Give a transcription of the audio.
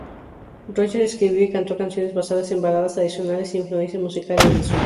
Rodgers escribió y cantó canciones basadas en baladas tradicionales e influencias musicales de sur.